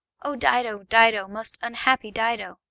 O Dido, Dido, most unhappy Dido!